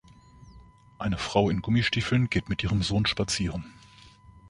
Eine Frau in Gummistiefeln geht mit ihrem Sohn spazieren.